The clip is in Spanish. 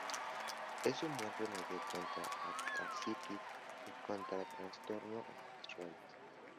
Es un buen remedio contra la ascitis y contra los trastornos menstruales.